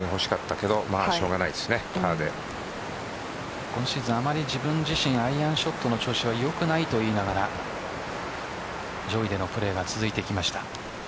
本当はバーディーが欲しかったですけど今シーズンはあまり自分自身のアイアンショットの調子が良くないと言いながら上位でのプレーが続いてきました。